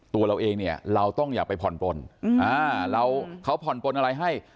ตัวเราเองเนี่ยเราต้องอย่าไปผ่อนปลนแล้วเขาผ่อนปลนอะไรให้